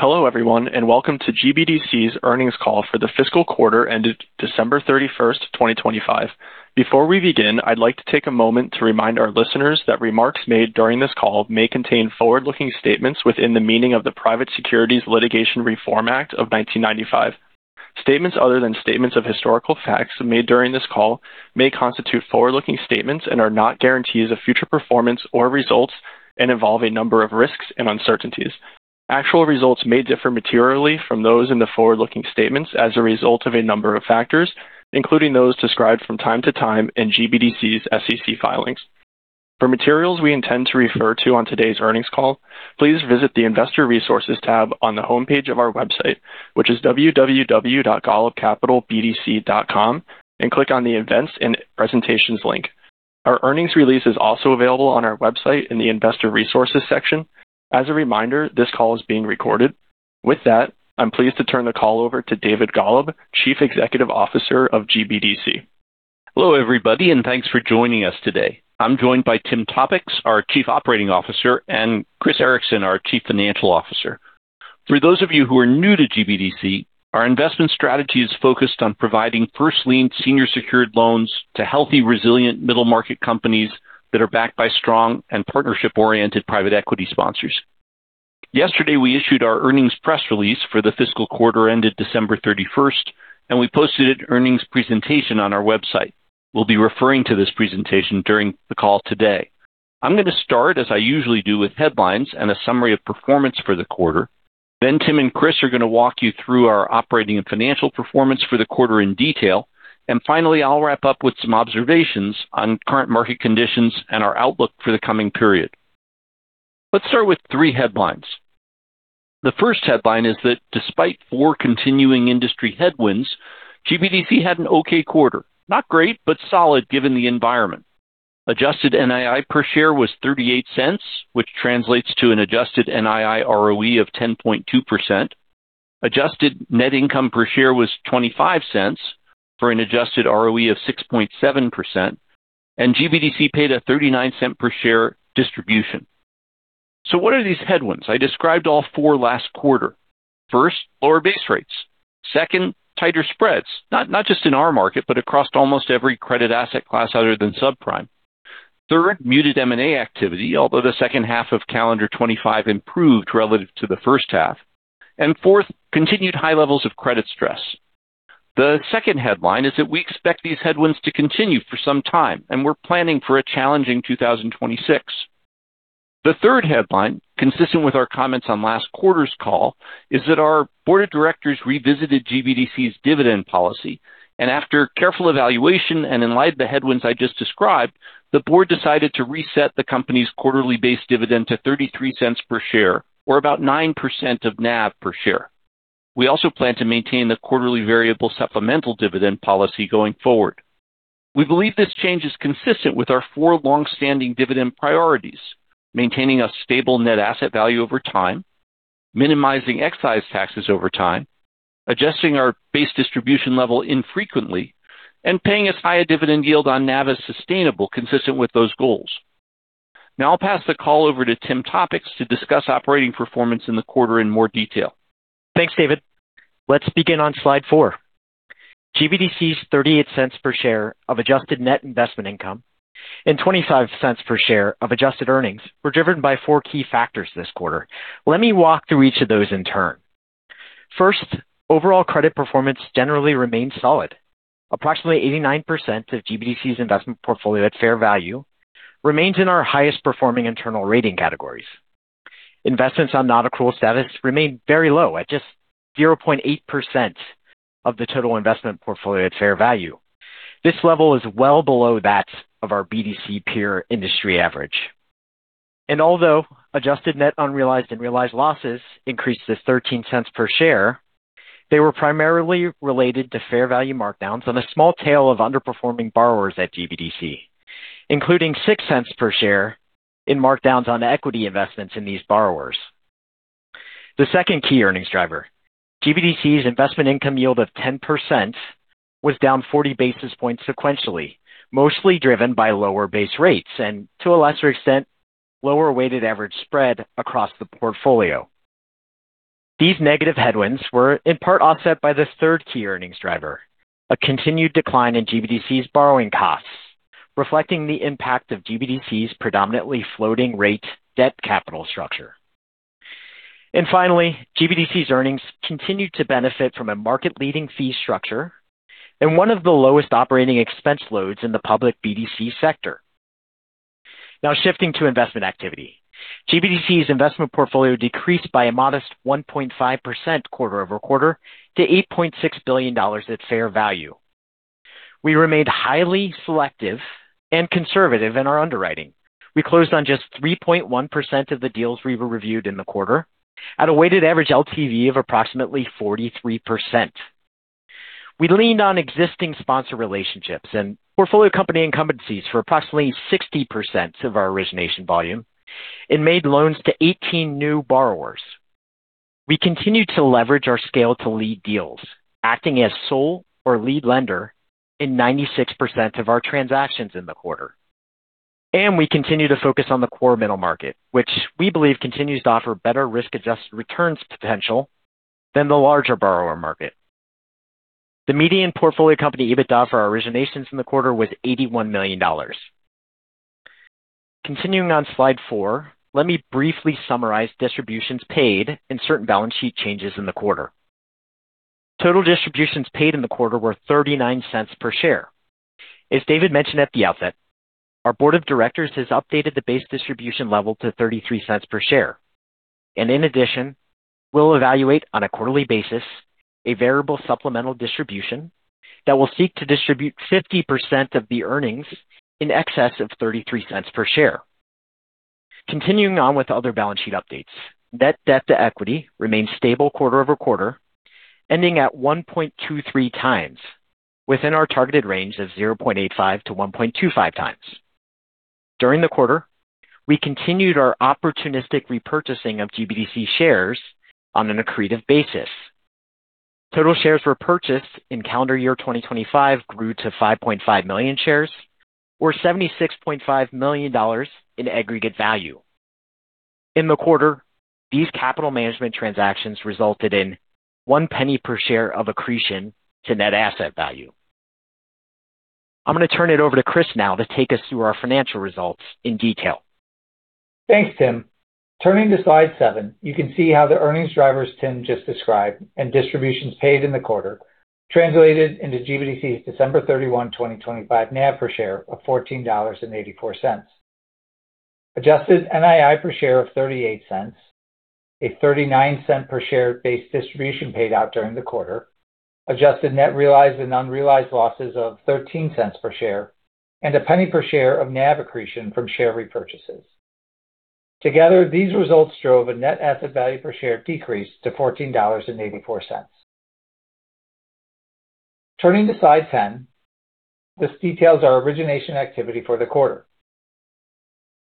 Hello everyone, and welcome to GBDC's earnings call for the fiscal quarter ended December 31st, 2025. Before we begin, I'd like to take a moment to remind our listeners that remarks made during this call may contain forward-looking statements within the meaning of the Private Securities Litigation Reform Act of 1995. Statements other than statements of historical facts made during this call may constitute forward-looking statements and are not guarantees of future performance or results and involve a number of risks and uncertainties. Actual results may differ materially from those in the forward-looking statements as a result of a number of factors, including those described from time to time in GBDC's SEC filings. For materials we intend to refer to on today's earnings call, please visit the Investor Resources tab on the homepage of our website, which is www.golubcapitalbdc.com, and click on the Events and Presentations link. Our earnings release is also available on our website in the Investor Resources section. As a reminder, this call is being recorded. With that, I'm pleased to turn the call over to David Golub, Chief Executive Officer of GBDC. Hello everybody, and thanks for joining us today. I'm joined by Tim Topicz, our Chief Operating Officer, and Chris Ericson, our Chief Financial Officer. For those of you who are new to GBDC, our investment strategy is focused on providing first lien, senior secured loans to healthy, resilient middle-market companies that are backed by strong and partnership-oriented private equity sponsors. Yesterday, we issued our earnings press release for the fiscal quarter ended December 31st, and we posted an earnings presentation on our website. We'll be referring to this presentation during the call today. I'm going to start, as I usually do, with headlines and a summary of performance for the quarter. Then Tim and Chris are going to walk you through our operating and financial performance for the quarter in detail. Finally, I'll wrap up with some observations on current market conditions and our outlook for the coming period. Let's start with three headlines. The first headline is that despite four continuing industry headwinds, GBDC had an okay quarter. Not great, but solid, given the environment. Adjusted NII per share was $0.38, which translates to an adjusted NII ROE of 10.2%. Adjusted net income per share was $0.25 for an adjusted ROE of 6.7%, and GBDC paid a $0.39 per share distribution. So what are these headwinds? I described all four last quarter. First, lower base rates. Second, tighter spreads, not, not just in our market, but across almost every credit asset class other than subprime. Third, muted M&A activity, although the second half of calendar 2025 improved relative to the first half. And fourth, continued high levels of credit stress. The second headline is that we expect these headwinds to continue for some time, and we're planning for a challenging 2026. The third headline, consistent with our comments on last quarter's call, is that our board of directors revisited GBDC's dividend policy, and after careful evaluation and in light of the headwinds I just described, the board decided to reset the company's quarterly base dividend to $0.33 per share or about 9% of NAV per share. We also plan to maintain the quarterly variable supplemental dividend policy going forward. We believe this change is consistent with our four long-standing dividend priorities: maintaining a stable net asset value over time, minimizing excise taxes over time, adjusting our base distribution level infrequently, and paying as high a dividend yield on NAV as sustainable, consistent with those goals. Now I'll pass the call over to Tim Topicz to discuss operating performance in the quarter in more detail. Thanks, David. Let's begin on slide four. GBDC's $0.38 per share of adjusted net investment income and $0.25 per share of adjusted earnings were driven by four key factors this quarter. Let me walk through each of those in turn. First, overall credit performance generally remains solid. Approximately 89% of GBDC's investment portfolio at fair value remains in our highest performing internal rating categories. Investments on non-accrual status remain very low, at just 0.8% of the total investment portfolio at fair value. This level is well below that of our BDC peer industry average. Although adjusted net unrealized and realized losses increased to $0.13 per share, they were primarily related to fair value markdowns on a small tail of underperforming borrowers at GBDC, including $0.06 per share in markdowns on equity investments in these borrowers. The second key earnings driver: GBDC's investment income yield of 10% was down 40 basis points sequentially, mostly driven by lower base rates and to a lesser extent, lower weighted average spread across the portfolio. These negative headwinds were in part offset by the third key earnings driver, a continued decline in GBDC's borrowing costs, reflecting the impact of GBDC's predominantly floating rate debt capital structure. And finally, GBDC's earnings continued to benefit from a market-leading fee structure and one of the lowest operating expense loads in the public BDC sector. Now, shifting to investment activity. GBDC's investment portfolio decreased by a modest 1.5% quarter-over-quarter to $8.6 billion at fair value. We remained highly selective and conservative in our underwriting. We closed on just 3.1% of the deals we reviewed in the quarter at a weighted average LTV of approximately 43%. We leaned on existing sponsor relationships and portfolio company incumbencies for approximately 60% of our origination volume and made loans to 18 new borrowers. We continued to leverage our scale to lead deals, acting as sole or lead lender in 96% of our transactions in the quarter. We continue to focus on the core middle market, which we believe continues to offer better risk-adjusted returns potential than the larger borrower market. The median portfolio company EBITDA for our originations in the quarter was $81 million. Continuing on slide four, let me briefly summarize distributions paid and certain balance sheet changes in the quarter. Total distributions paid in the quarter were $0.39 per share. As David mentioned at the outset, our board of directors has updated the base distribution level to $0.33 per share, and in addition, we'll evaluate on a quarterly basis, a variable supplemental distribution that will seek to distribute 50% of the earnings in excess of $0.33 per share. Continuing on with other balance sheet updates. Net debt to equity remains stable quarter-over-quarter, ending at 1.23x, within our targeted range of 0.85x-1.25x. During the quarter, we continued our opportunistic repurchasing of GBDC shares on an accretive basis. Total shares were purchased in calendar year 2025, grew to 5.5 million shares or $76.5 million in aggregate value. In the quarter, these capital management transactions resulted in $0.01 per share of accretion to net asset value. I'm going to turn it over to Chris now to take us through our financial results in detail. Thanks, Tim. Turning to slide seven, you can see how the earnings drivers Tim just described and distributions paid in the quarter translated into GBDC's December 31, 2025 NAV per share of $14.84. Adjusted NII per share of $0.38, a $0.39 per share base distribution paid out during the quarter, adjusted net realized and unrealized losses of $0.13 per share, and a $0.01 per share of NAV accretion from share repurchases. Together, these results drove a net asset value per share decrease to $14.84. Turning to slide 10, this details our origination activity for the quarter.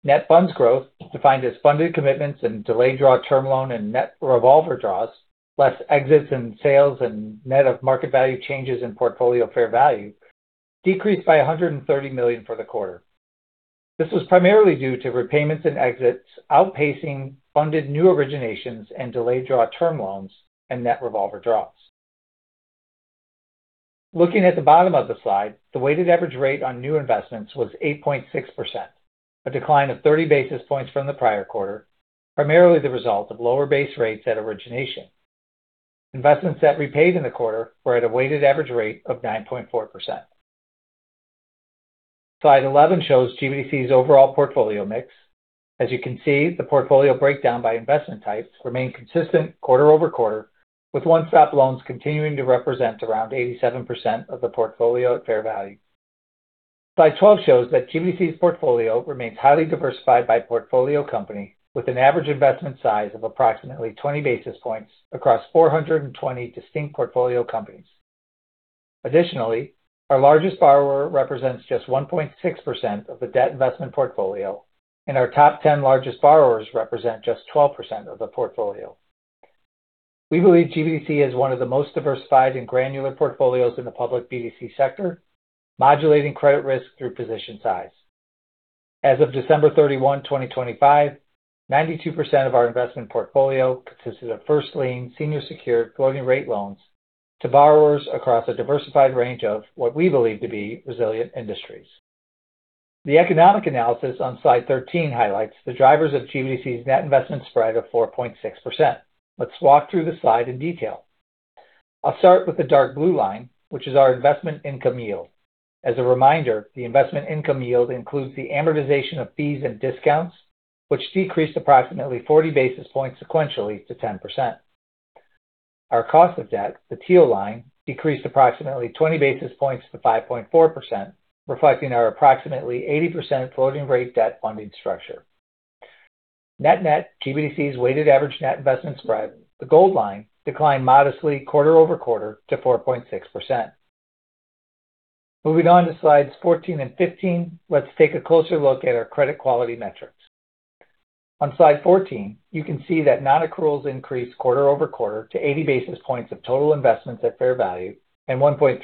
Net funds growth, defined as funded commitments and delayed draw term loan and net revolver draws, less exits and sales and net of market value changes in portfolio fair value, decreased by $130 million for the quarter. This was primarily due to repayments and exits, outpacing funded new originations and delayed draw term loans and net revolver draws. Looking at the bottom of the slide, the weighted average rate on new investments was 8.6%, a decline of 30 basis points from the prior quarter, primarily the result of lower base rates at origination. Investments that repaid in the quarter were at a weighted average rate of 9.4%. Slide 11 shows GBDC's overall portfolio mix. As you can see, the portfolio breakdown by investment types remain consistent quarter over quarter, with One-Stop loans continuing to represent around 87% of the portfolio at fair value. Slide 12 shows that GBDC's portfolio remains highly diversified by portfolio company, with an average investment size of approximately 20 basis points across 420 distinct portfolio companies. Additionally, our largest borrower represents just 1.6% of the debt investment portfolio, and our top 10 largest borrowers represent just 12% of the portfolio. We believe GBDC is one of the most diversified and granular portfolios in the public BDC sector, modulating credit risk through position size. As of December 31, 2025, 92% of our investment portfolio consisted of first lien, senior secured floating rate loans to borrowers across a diversified range of what we believe to be resilient industries. The economic analysis on slide 13 highlights the drivers of GBDC's net investment spread of 4.6%. Let's walk through the slide in detail. I'll start with the dark blue line, which is our investment income yield. As a reminder, the investment income yield includes the amortization of fees and discounts, which decreased approximately 40 basis points sequentially to 10%. Our cost of debt, the teal line, decreased approximately 20 basis points to 5.4%, reflecting our approximately 80% floating rate debt funding structure. Net net, GBDC's weighted average net investment spread, the gold line, declined modestly quarter-over-quarter to 4.6%. Moving on to slides 14 and 15, let's take a closer look at our credit quality metrics. On slide 14, you can see that non-accruals increased quarter-over-quarter to 80 basis points of total investments at fair value and 1.3%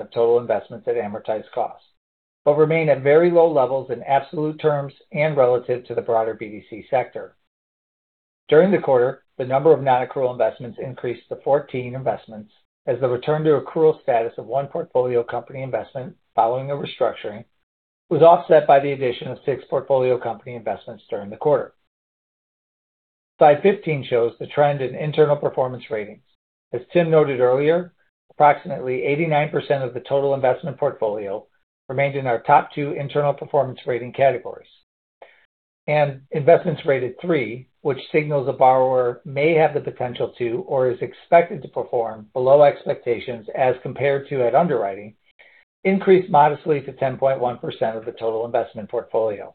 of total investments at amortized costs, but remain at very low levels in absolute terms and relative to the broader BDC sector. During the quarter, the number of non-accrual investments increased to 14 investments as the return to accrual status of one portfolio company investment following a restructuring was offset by the addition of six portfolio company investments during the quarter. Slide 15 shows the trend in internal performance ratings. As Tim noted earlier, approximately 89% of the total investment portfolio remained in our top two internal performance rating categories. Investments rated three, which signals a borrower may have the potential to or is expected to perform below expectations as compared to at underwriting, increased modestly to 10.1% of the total investment portfolio.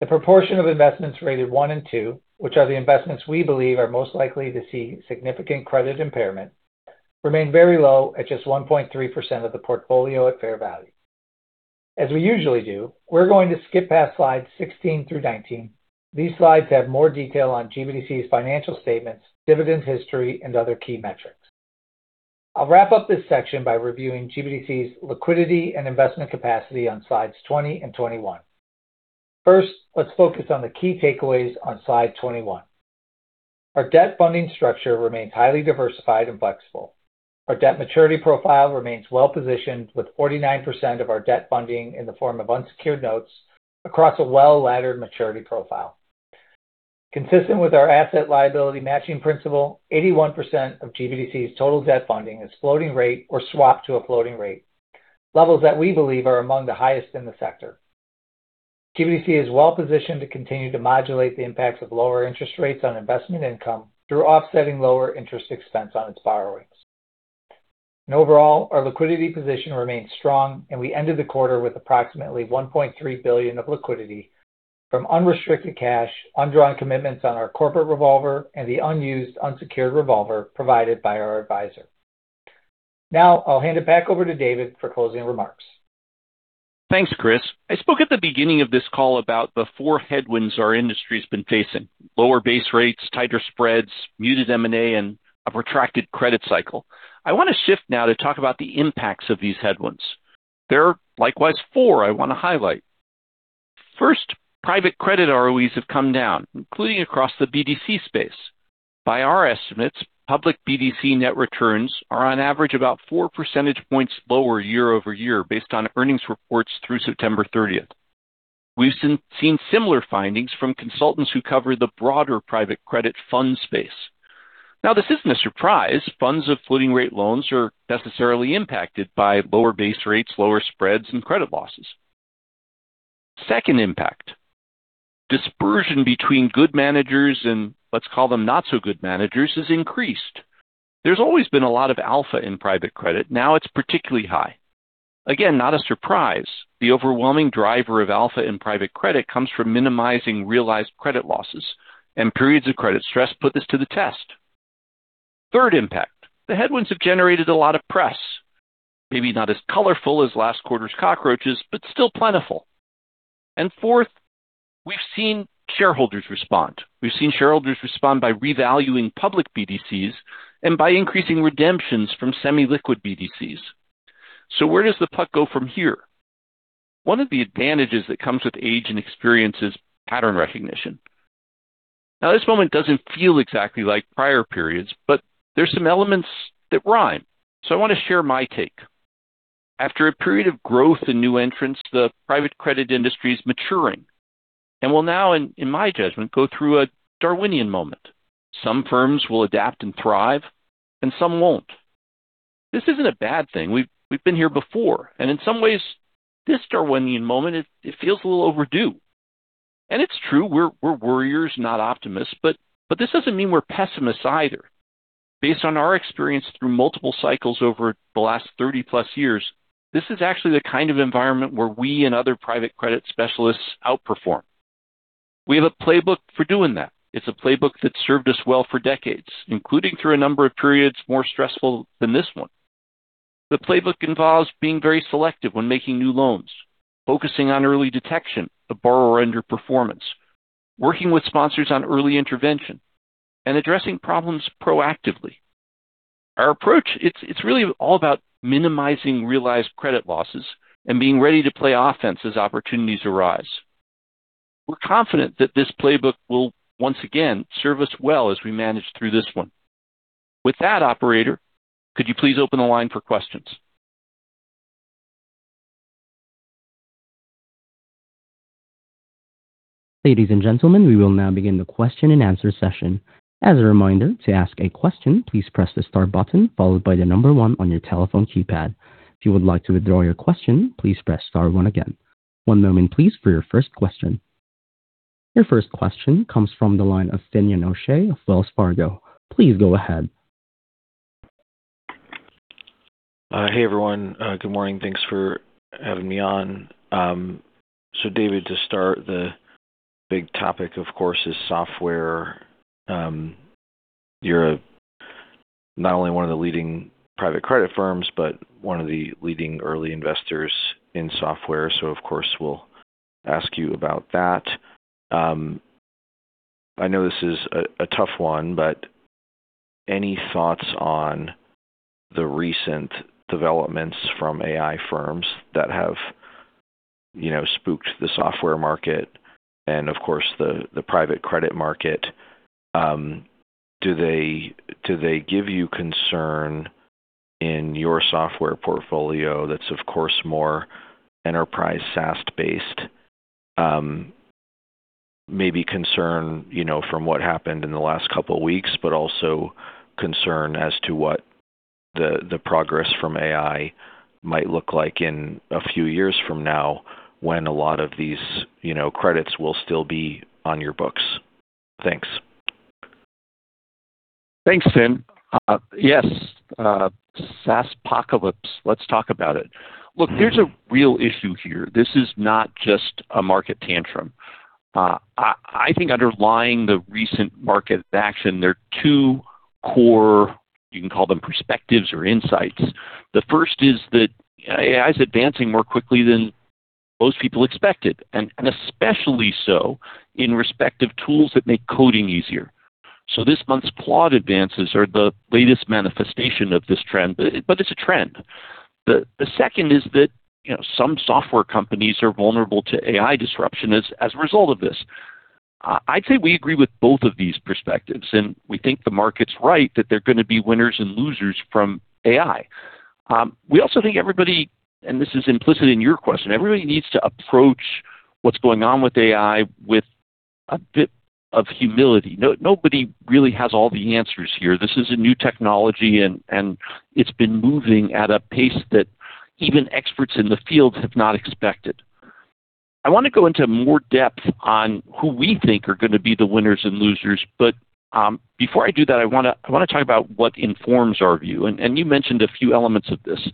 The proportion of investments rated one and two, which are the investments we believe are most likely to see significant credit impairment, remain very low at just 1.3% of the portfolio at fair value. As we usually do, we're going to skip past slides 16 through 19. These slides have more detail on GBDC's financial statements, dividends history, and other key metrics. I'll wrap up this section by reviewing GBDC's liquidity and investment capacity on slides 20 and 21. First, let's focus on the key takeaways on slide 21. Our debt funding structure remains highly diversified and flexible. Our debt maturity profile remains well-positioned, with 49% of our debt funding in the form of unsecured notes across a well-laddered maturity profile. Consistent with our asset liability matching principle, 81% of GBDC's total debt funding is floating rate or swapped to a floating rate, levels that we believe are among the highest in the sector. GBDC is well-positioned to continue to modulate the impacts of lower interest rates on investment income through offsetting lower interest expense on its borrowings. Overall, our liquidity position remains strong, and we ended the quarter with approximately $1.3 billion of liquidity from unrestricted cash, undrawn commitments on our corporate revolver, and the unused unsecured revolver provided by our advisor. Now I'll hand it back over to David for closing remarks. Thanks, Chris. I spoke at the beginning of this call about the four headwinds our industry's been facing: lower base rates, tighter spreads, muted M&A, and a protracted credit cycle. I want to shift now to talk about the impacts of these headwinds. There are likewise four, I want to highlight. First, private credit ROEs have come down, including across the BDC space. By our estimates, public BDC net returns are on average about 4 percentage points lower year-over-year, based on earnings reports through September 30th. We've seen similar findings from consultants who cover the broader private credit fund space. Now, this isn't a surprise. Funds of floating-rate loans are necessarily impacted by lower base rates, lower spreads, and credit losses. Second impact, dispersion between good managers and, let's call them, not-so-good managers, has increased. There's always been a lot of alpha in private credit. Now it's particularly high. Again, not a surprise. The overwhelming driver of alpha in private credit comes from minimizing realized credit losses, and periods of credit stress put this to the test. Third impact, the headwinds have generated a lot of press, maybe not as colorful as last quarter's cockroaches, but still plentiful. And fourth, we've seen shareholders respond. We've seen shareholders respond by revaluing public BDCs and by increasing redemptions from semi-liquid BDCs. So where does the puck go from here? One of the advantages that comes with age and experience is pattern recognition. Now, this moment doesn't feel exactly like prior periods, but there's some elements that rhyme, so I want to share my take. After a period of growth and new entrants, the private credit industry is maturing and will now, in my judgment, go through a Darwinian moment. Some firms will adapt and thrive, and some won't. This isn't a bad thing. We've been here before, and in some ways, this Darwinian moment, it feels a little overdue. And it's true, we're worriers, not optimists, but this doesn't mean we're pessimists either. Based on our experience through multiple cycles over the last 30+ years, this is actually the kind of environment where we and other private credit specialists outperform. We have a playbook for doing that. It's a playbook that's served us well for decades, including through a number of periods more stressful than this one. The playbook involves being very selective when making new loans, focusing on early detection of borrower underperformance, working with sponsors on early intervention, and addressing problems proactively. Our approach, it's really all about minimizing realized credit losses and being ready to play offense as opportunities arise. We're confident that this playbook will once again serve us well as we manage through this one. With that, operator, could you please open the line for questions? Ladies and gentlemen, we will now begin the question-and-answer session. As a reminder, to ask a question, please press the star button followed by the number one on your telephone keypad. If you would like to withdraw your question, please press star one again. One moment please, for your first question. Your first question comes from the line of Finian O'Shea of Wells Fargo. Please go ahead. Hey, everyone. Good morning. Thanks for having me on. So, David, to start, the big topic, of course, is software. You're not only one of the leading private credit firms, but one of the leading early investors in software, so of course, we'll ask you about that. I know this is a tough one, but any thoughts on the recent developments from AI firms that have, you know, spooked the software market and, of course, the private credit market? Do they give you concern in your software portfolio that's, of course, more enterprise SaaS-based, maybe concern, you know, from what happened in the last couple weeks, but also concern as to what the progress from AI might look like in a few years from now when a lot of these, you know, credits will still be on your books? Thanks. Thanks, Finian. Yes, SaaS apocalypse. Let's talk about it. Look, there's a real issue here. This is not just a market tantrum. I think underlying the recent market action, there are two core, you can call them perspectives or insights. The first is that AI is advancing more quickly than most people expected, and especially so in respect of tools that make coding easier. So this month's Claude advances are the latest manifestation of this trend, but it's a trend. The second is that, you know, some software companies are vulnerable to AI disruption as a result of this. I'd say we agree with both of these perspectives, and we think the market's right, that there are gonna be winners and losers from AI. We also think everybody, and this is implicit in your question, everybody needs to approach what's going on with AI with a bit of humility. Nobody really has all the answers here. This is a new technology, and it's been moving at a pace that even experts in the field have not expected. I wanna go into more depth on who we think are gonna be the winners and losers, but before I do that, I wanna talk about what informs our view. And you mentioned a few elements of this.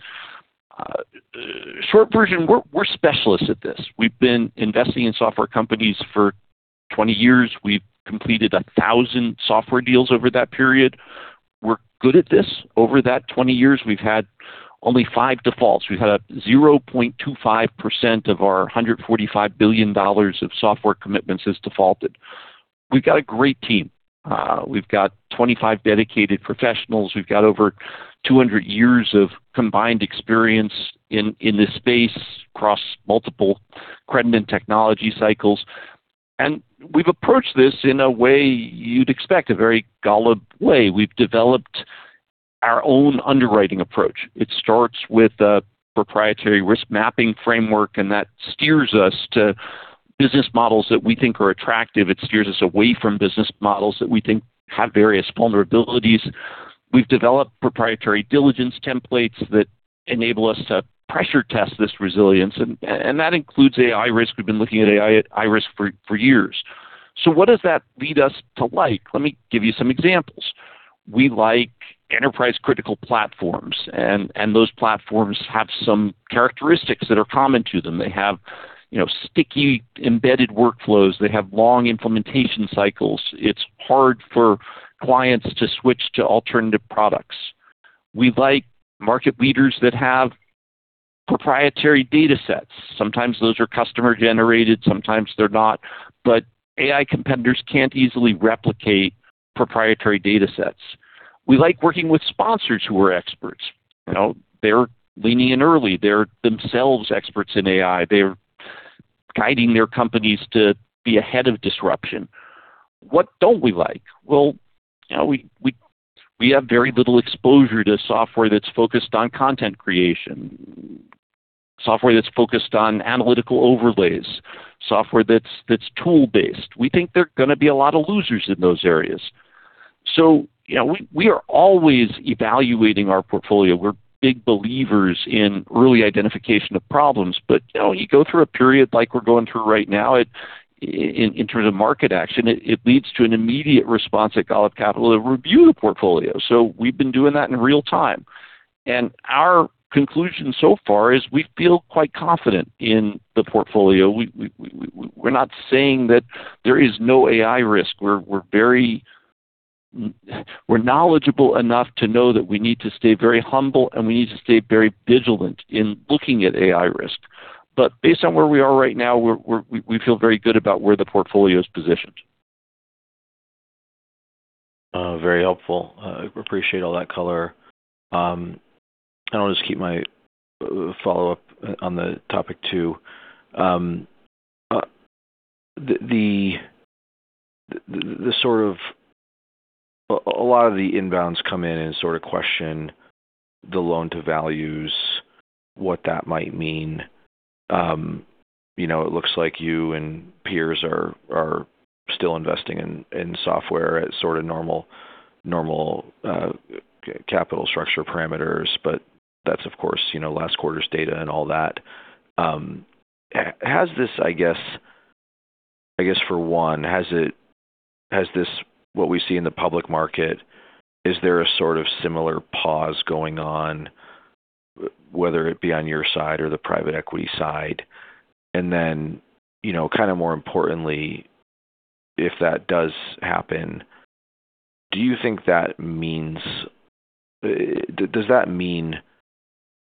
Short version, we're specialists at this. We've been investing in software companies for 20 years. We've completed 1,000 software deals over that period. We're good at this. Over that 20 years, we've had only five defaults. We've had 0.25% of our $145 billion of software commitments is defaulted. We've got a great team. We've got 25 dedicated professionals. We've got over 200 years of combined experience in this space across multiple credit and technology cycles, and we've approached this in a way you'd expect, a very Golub way. We've developed our own underwriting approach. It starts with a proprietary risk mapping framework, and that steers us to business models that we think are attractive. It steers us away from business models that we think have various vulnerabilities. We've developed proprietary diligence templates that enable us to pressure test this resilience, and that includes AI risk. We've been looking at AI risk for years. So what does that lead us to like? Let me give you some examples. We like enterprise-critical platforms, and those platforms have some characteristics that are common to them. They have, you know, sticky, embedded workflows. They have long implementation cycles. It's hard for clients to switch to alternative products. We like market leaders that have proprietary datasets. Sometimes those are customer-generated, sometimes they're not. But AI competitors can't easily replicate proprietary datasets. We like working with sponsors who are experts. You know, they're leaning in early, they're themselves experts in AI. They're guiding their companies to be ahead of disruption. What don't we like? Well, you know, we have very little exposure to software that's focused on content creation, software that's focused on analytical overlays, software that's tool-based. We think there are gonna be a lot of losers in those areas. So, you know, we are always evaluating our portfolio. We're big believers in early identification of problems, but, you know, you go through a period like we're going through right now, in terms of market action, it leads to an immediate response at Golub Capital to review the portfolio. So we've been doing that in real time, and our conclusion so far is we feel quite confident in the portfolio. We're not saying that there is no AI risk. We're very knowledgeable enough to know that we need to stay very humble, and we need to stay very vigilant in looking at AI risk. But based on where we are right now, we feel very good about where the portfolio is positioned. Very helpful. Appreciate all that color. I'll just keep my follow-up on the topic, too. A lot of the inbounds come in and sort of question the loan to values, what that might mean. You know, it looks like you and peers are still investing in software at sort of normal capital structure parameters, but that's of course, you know, last quarter's data and all that. Has this, what we see in the public market, is there a sort of similar pause going on, whether it be on your side or the private equity side? Then, you know, kinda more importantly, if that does happen, do you think that means. Does that mean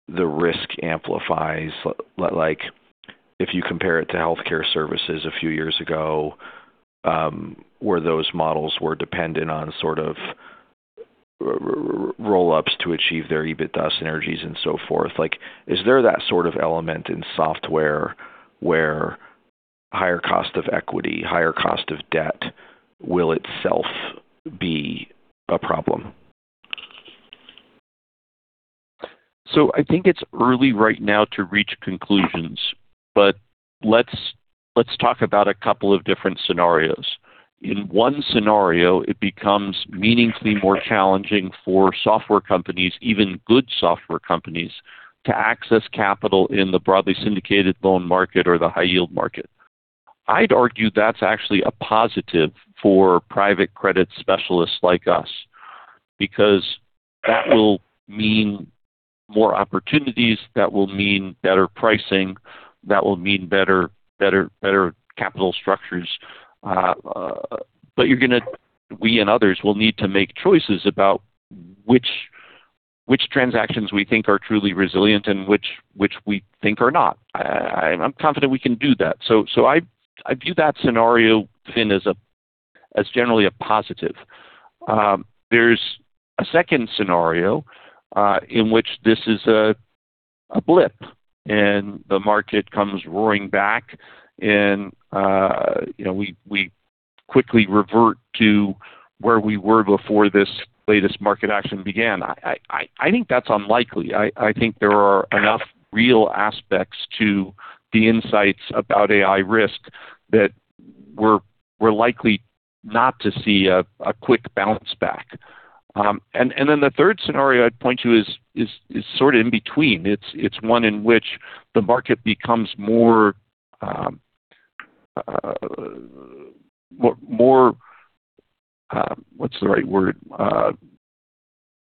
the risk amplifies? Like, if you compare it to healthcare services a few years ago, where those models were dependent on sort of roll ups to achieve their EBITDA synergies and so forth, like, is there that sort of element in software where higher cost of equity, higher cost of debt, will itself be a problem? So I think it's early right now to reach conclusions, but let's talk about a couple of different scenarios. In one scenario, it becomes meaningfully more challenging for software companies, even good software companies, to access capital in the broadly syndicated loan market or the high yield market. I'd argue that's actually a positive for private credit specialists like us, because that will mean more opportunities, that will mean better pricing, that will mean better, better, better capital structures. But we and others will need to make choices about which transactions we think are truly resilient and which we think are not. I, I'm confident we can do that. So I view that scenario, Finn, as generally a positive. There's a second scenario in which this is a blip, and the market comes roaring back, and you know, we quickly revert to where we were before this latest market action began. I think that's unlikely. I think there are enough real aspects to the insights about AI risk that we're likely not to see a quick bounce back. And then the third scenario I'd point to is sort of in between. It's one in which the market becomes more, what's the right word?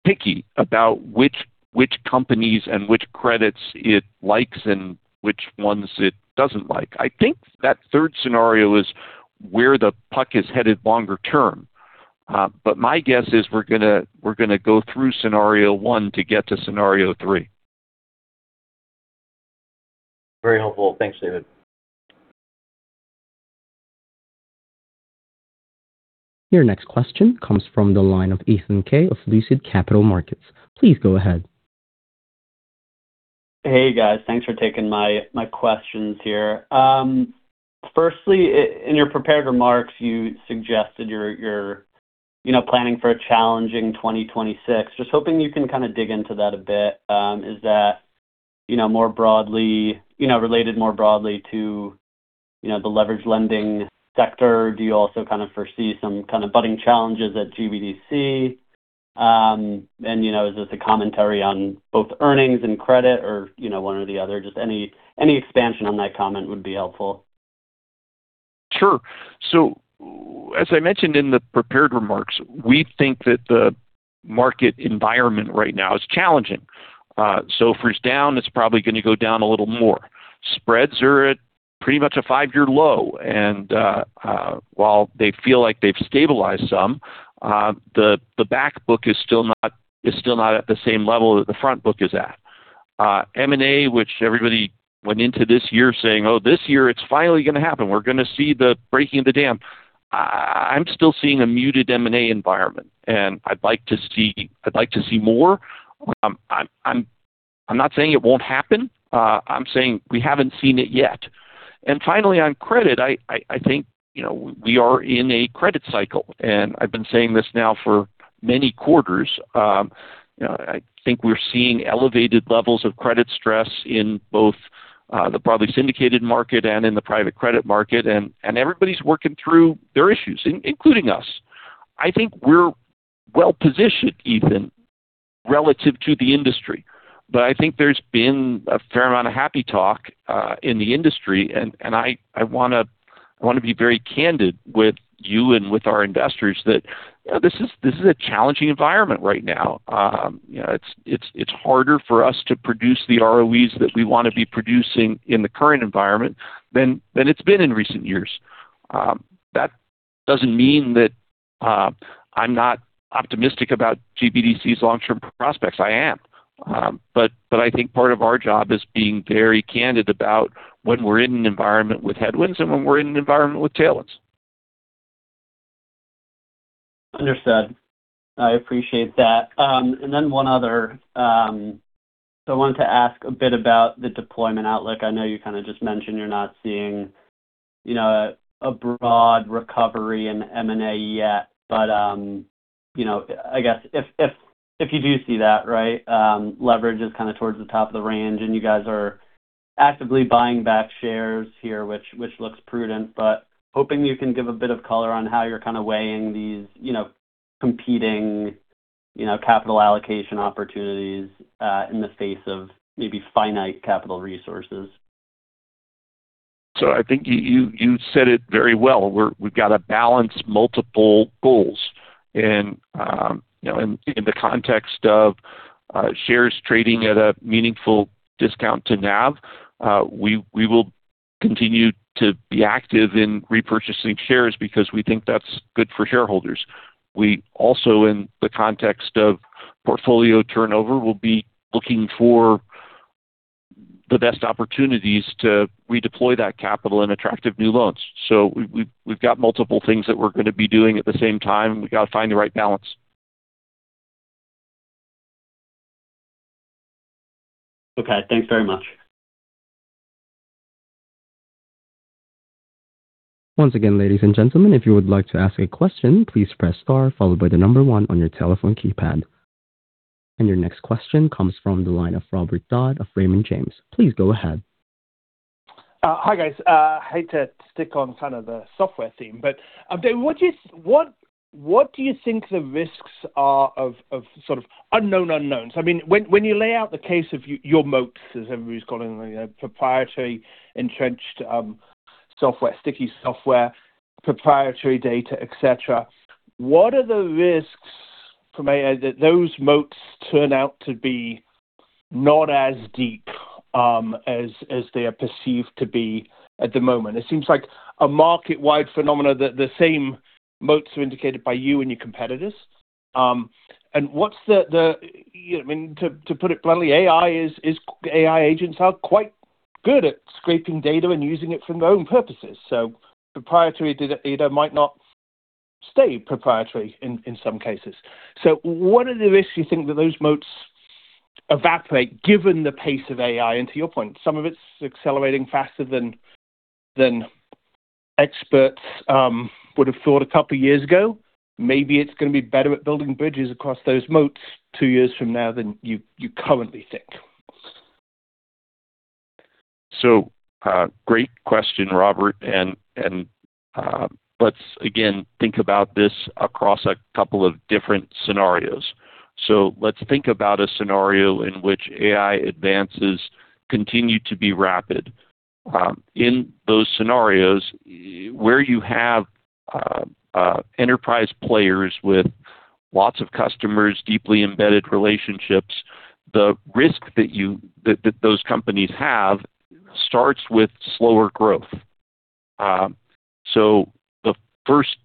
Picky about which companies and which credits it likes and which ones it doesn't like. I think that third scenario is where the puck is headed longer term. But my guess is we're gonna go through scenario one to get to scenario three. Very helpful. Thanks, David. Your next question comes from the line of Ethan Kaye of Lucid Capital Markets. Please go ahead. Hey, guys. Thanks for taking my questions here. Firstly, in your prepared remarks, you suggested you're planning for a challenging 2026. Just hoping you can kinda dig into that a bit. Is that, you know, more broadly, you know, related more broadly to, you know, the leverage lending sector? Do you also kind of foresee some kind of budding challenges at GBDC? And, you know, is this a commentary on both earnings and credit or, you know, one or the other? Just any expansion on that comment would be helpful. Sure. So as I mentioned in the prepared remarks, we think that the market environment right now is challenging. So if it's down, it's probably gonna go down a little more. Spreads are at pretty much a five-year low, and, while they feel like they've stabilized some, the back book is still not at the same level that the front book is at. M&A, which everybody went into this year saying, "Oh, this year it's finally gonna happen. We're gonna see the breaking of the dam." I'm still seeing a muted M&A environment, and I'd like to see... I'd like to see more. I'm not saying it won't happen. I'm saying we haven't seen it yet. And finally, on credit, I think, you know, we are in a credit cycle, and I've been saying this now for many quarters. You know, I think we're seeing elevated levels of credit stress in both the broadly syndicated market and in the private credit market, and everybody's working through their issues, including us. I think we're well-positioned, Ethan, relative to the industry. But I think there's been a fair amount of happy talk in the industry, and I wanna be very candid with you and with our investors that this is a challenging environment right now. You know, it's harder for us to produce the ROEs that we wanna be producing in the current environment than it's been in recent years. That doesn't mean that I'm not optimistic about GBDC's long-term prospects. I am. But I think part of our job is being very candid about when we're in an environment with headwinds and when we're in an environment with tailwinds. Understood. I appreciate that. And then one other. So I wanted to ask a bit about the deployment outlook. I know you kind of just mentioned you're not seeing, you know, a broad recovery in M&A yet, but you know, I guess if you do see that, right, leverage is kind of towards the top of the range, and you guys are actively buying back shares here, which looks prudent, but hoping you can give a bit of color on how you're kind of weighing these, you know, competing, you know, capital allocation opportunities in the face of maybe finite capital resources. So I think you said it very well. We've got to balance multiple goals, and you know, in the context of shares trading at a meaningful discount to NAV, we will continue to be active in repurchasing shares because we think that's good for shareholders. We also, in the context of portfolio turnover, will be looking for the best opportunities to redeploy that capital in attractive new loans. So we've got multiple things that we're gonna be doing at the same time. We've got to find the right balance. Okay. Thanks very much. Once again, ladies and gentlemen, if you would like to ask a question, please press star followed by the number one on your telephone keypad. Your next question comes from the line of Robert Dodd of Raymond James. Please go ahead. Hi, guys. I hate to stick on kind of the software theme, but what do you think the risks are of sort of unknown unknowns? I mean, when you lay out the case of your moats, as everybody's calling them, you know, proprietary, entrenched, software, sticky software, proprietary data, et cetera, what are the risks from that those moats turn out to be not as deep as they are perceived to be at the moment. It seems like a market-wide phenomenon that the same moats are indicated by you and your competitors. And what's the—I mean, to put it bluntly, AI agents are quite good at scraping data and using it for their own purposes. So proprietary data might not stay proprietary in some cases. What are the risks you think that those moats evaporate, given the pace of AI? To your point, some of it's accelerating faster than experts would have thought a couple of years ago. Maybe it's gonna be better at building bridges across those moats two years from now than you currently think. So, great question, Robert. Let's again think about this across a couple of different scenarios. So let's think about a scenario in which AI advances continue to be rapid. In those scenarios, where you have enterprise players with lots of customers, deeply embedded relationships, the risk that those companies have starts with slower growth. So the first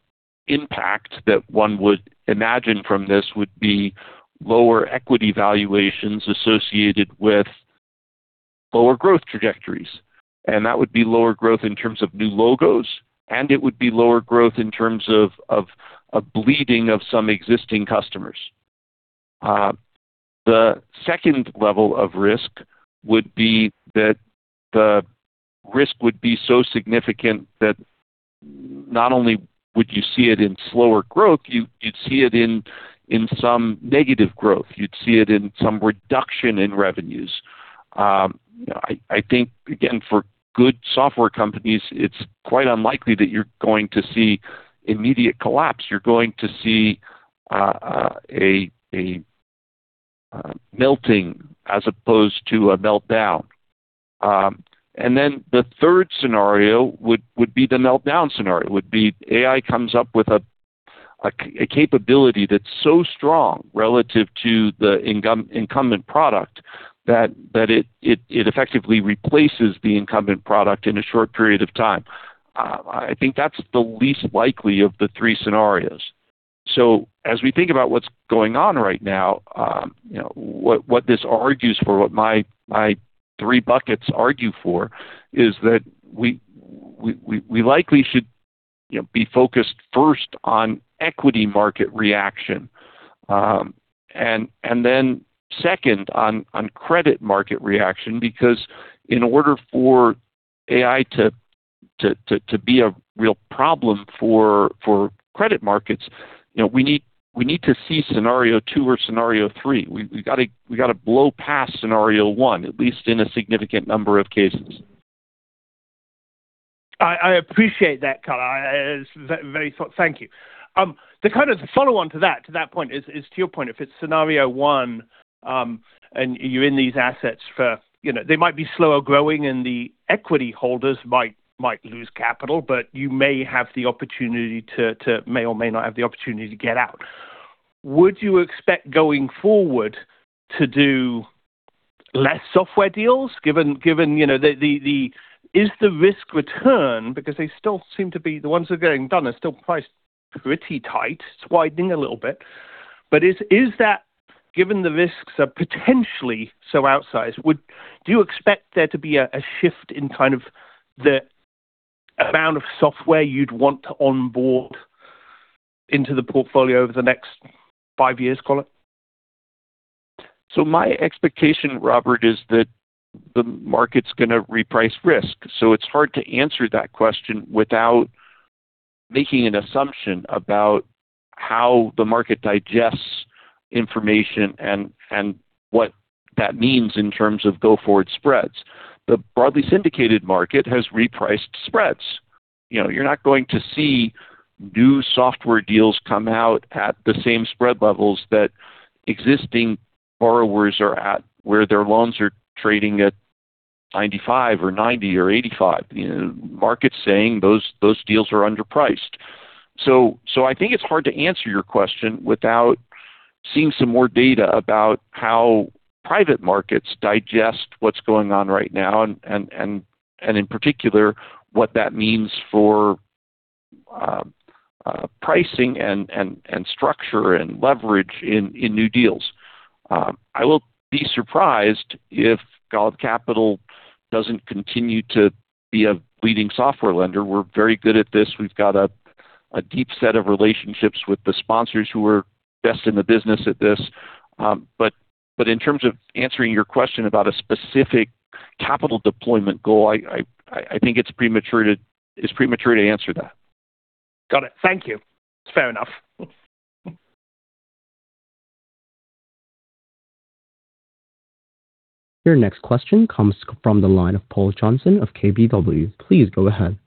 impact that one would imagine from this would be lower equity valuations associated with lower growth trajectories, and that would be lower growth in terms of new logos, and it would be lower growth in terms of a bleeding of some existing customers. The second level of risk would be that the risk would be so significant that not only would you see it in slower growth, you'd see it in some negative growth. You'd see it in some reduction in revenues. I think, again, for good software companies, it's quite unlikely that you're going to see immediate collapse. You're going to see a melting as opposed to a meltdown. And then the third scenario would be the meltdown scenario. It would be AI comes up with a capability that's so strong relative to the incumbent product that it effectively replaces the incumbent product in a short period of time. I think that's the least likely of the three scenarios. So as we think about what's going on right now, you know, what this argues for, what my three buckets argue for, is that we likely should, you know, be focused first on equity market reaction, and then second on credit market reaction, because in order for AI to be a real problem for credit markets, you know, we need to see scenario two or scenario three. We gotta blow past scenario one, at least in a significant number of cases. I appreciate that, color. It's very thoughtful. Thank you. The kind of follow-on to that point is to your point, if it's scenario one, and you're in these assets for, you know, they might be slower growing and the equity holders might lose capital, but you may have the opportunity, may or may not have the opportunity to get out. Would you expect going forward to do less software deals, given you know the... Is the risk return? Because they still seem to be, the ones that are getting done are still priced pretty tight. It's widening a little bit. But is that, given the risks are potentially so outsized, would you expect there to be a shift in kind of the amount of software you'd want to onboard into the portfolio over the next five years, color? So my expectation, Robert, is that the market's gonna reprice risk. So it's hard to answer that question without making an assumption about how the market digests information and what that means in terms of go-forward spreads. The broadly syndicated market has repriced spreads. You know, you're not going to see new software deals come out at the same spread levels that existing borrowers are at, where their loans are trading at 95 or 90 or 85. You know, market's saying those deals are underpriced. So I think it's hard to answer your question without seeing some more data about how private markets digest what's going on right now, and in particular, what that means for pricing and structure and leverage in new deals. I will be surprised if Golub Capital doesn't continue to be a leading software lender. We're very good at this. We've got a deep set of relationships with the sponsors who are best in the business at this. But in terms of answering your question about a specific capital deployment goal, I think it's premature to answer that. Got it. Thank you. Fair enough. Your next question comes from the line of Paul Johnson of KBW. Please go ahead.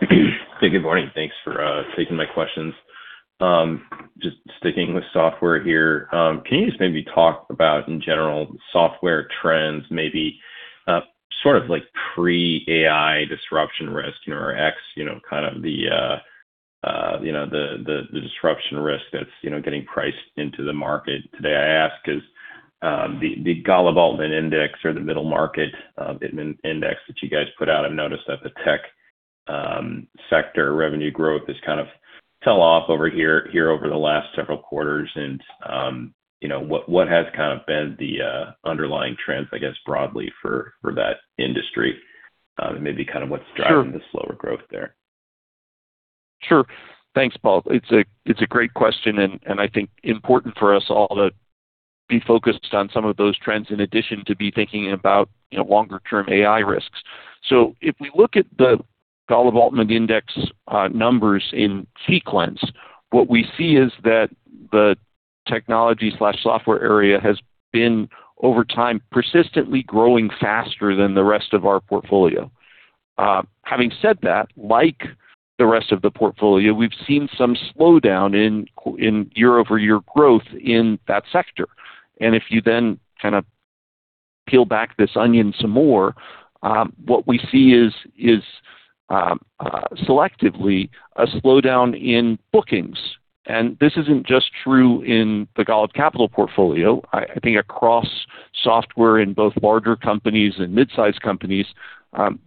Hey, good morning. Thanks for taking my questions. Just sticking with software here, can you just maybe talk about, in general, software trends, maybe, sort of like pre-AI disruption risk or X, you know, kind of the... you know, the, the disruption risk that's, you know, getting priced into the market today. I ask is, the, the Golub Altman Index or the middle market, index that you guys put out, I've noticed that the tech, sector revenue growth has kind of fell off over here over the last several quarters. And, you know, what, what has kind of been the, underlying trends, I guess, broadly for, for that industry? Maybe kind of what's driving the slower growth there. Sure. Thanks, Paul. It's a great question, and I think important for us all to be focused on some of those trends, in addition to be thinking about, you know, longer term AI risks. So if we look at the Golub Altman Index numbers in sequence, what we see is that the technology/software area has been, over time, persistently growing faster than the rest of our portfolio. Having said that, like the rest of the portfolio, we've seen some slowdown in year-over-year growth in that sector. And if you then kinda peel back this onion some more, what we see is selectively a slowdown in bookings. And this isn't just true in the Golub Capital portfolio. I think across software in both larger companies and mid-sized companies,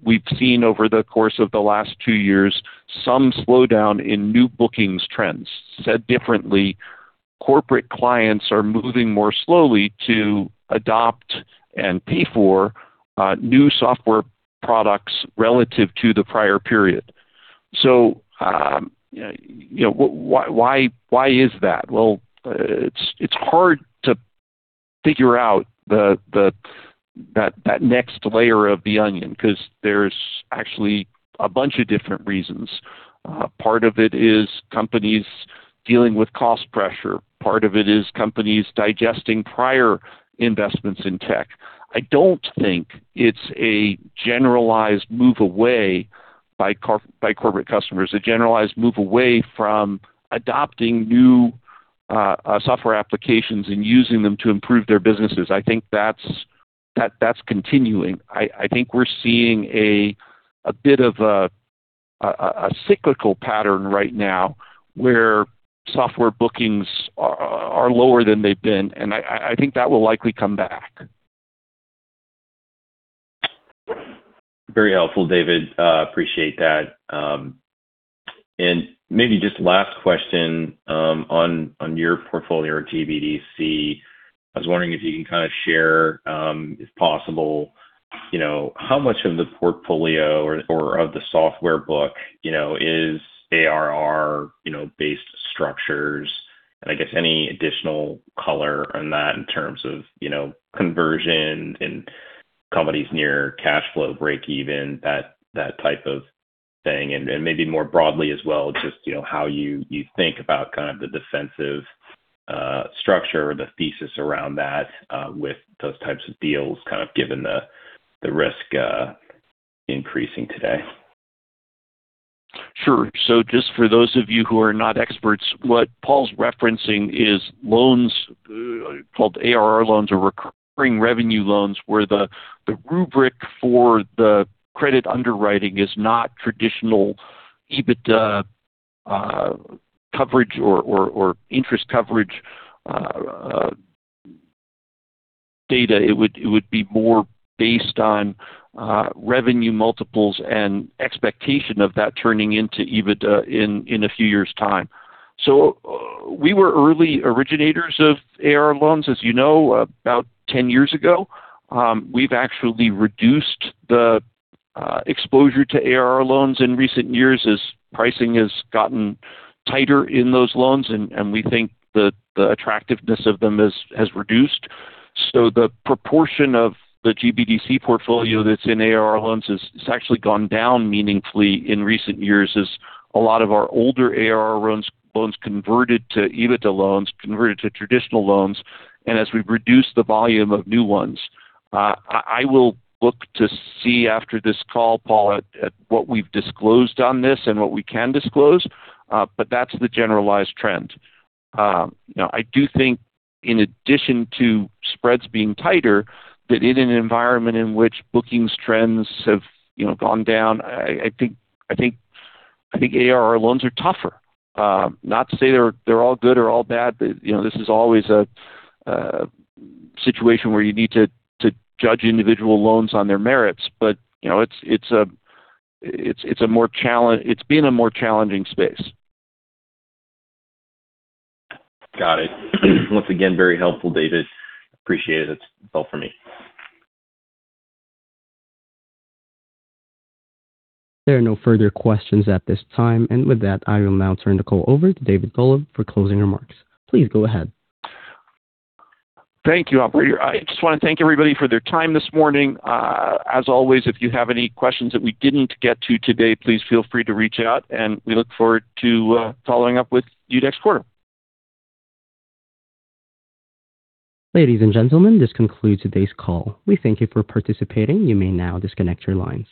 we've seen over the course of the last two years, some slowdown in new bookings trends. Said differently, corporate clients are moving more slowly to adopt and pay for new software products relative to the prior period. So, you know, why is that? Well, it's hard to figure out that next layer of the onion, because there's actually a bunch of different reasons. Part of it is companies dealing with cost pressure. Part of it is companies digesting prior investments in tech. I don't think it's a generalized move away by corporate customers, a generalized move away from adopting new software applications and using them to improve their businesses. I think that's continuing. I think we're seeing a bit of a cyclical pattern right now, where software bookings are lower than they've been, and I think that will likely come back. Very helpful, David. Appreciate that. And maybe just last question, on your portfolio at GBDC. I was wondering if you can kind of share, if possible, you know, how much of the portfolio or of the software book, you know, is ARR based structures? And I guess any additional color on that in terms of, you know, conversion and companies near cash flow break even, that type of thing. And maybe more broadly as well, just, you know, how you think about kind of the defensive structure or the thesis around that, with those types of deals, kind of given the risk increasing today. Sure. So just for those of you who are not experts, what Paul's referencing is loans called ARR loans or recurring revenue loans, where the rubric for the credit underwriting is not traditional EBITDA coverage or interest coverage data. It would be more based on revenue multiples and expectation of that turning into EBITDA in a few years' time. So we were early originators of ARR loans, as you know, about 10 years ago. We've actually reduced the exposure to ARR loans in recent years as pricing has gotten tighter in those loans, and we think the attractiveness of them has reduced. So the proportion of the GBDC portfolio that's in ARR loans has actually gone down meaningfully in recent years as a lot of our older ARR loans, loans converted to EBITDA loans, converted to traditional loans, and as we've reduced the volume of new ones. I will look to see after this call, Paul, at what we've disclosed on this and what we can disclose, but that's the generalized trend. Now, I do think in addition to spreads being tighter, that in an environment in which bookings trends have, you know, gone down, I think ARR loans are tougher. Not to say they're all good or all bad. But, you know, this is always a situation where you need to judge individual loans on their merits. But, you know, it's a... It's been a more challenging space. Got it. Once again, very helpful, David. Appreciate it. That's all for me. There are no further questions at this time, and with that, I will now turn the call over to David Golub for closing remarks. Please go ahead. Thank you, operator. I just wanna thank everybody for their time this morning. As always, if you have any questions that we didn't get to today, please feel free to reach out, and we look forward to following up with you next quarter. Ladies and gentlemen, this concludes today's call. We thank you for participating. You may now disconnect your line.